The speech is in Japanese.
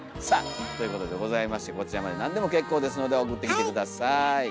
さあということでございましてこちらまで何でも結構ですので送ってきて下さい。